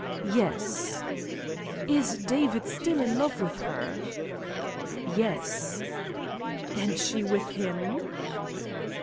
"Yes." "Is David still in love with her?" "Yes." "And she with him?"